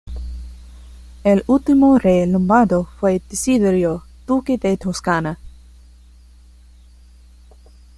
El último rey lombardo fue Desiderio, duque de Toscana.